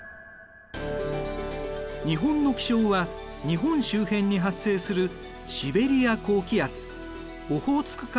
日本の気象は日本周辺に発生するシベリア高気圧オホーツク海